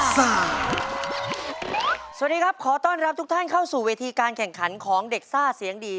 สวัสดีครับขอต้อนรับทุกท่านเข้าสู่เวทีการแข่งขันของเด็กซ่าเสียงดี